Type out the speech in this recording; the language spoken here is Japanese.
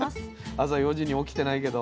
朝４時に起きてないけど。